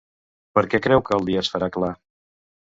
Per què creu que el dia es farà clar?